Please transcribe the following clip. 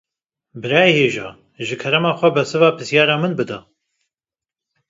Birayê hêja, ji kerema xwe bersiva pirsyara min bide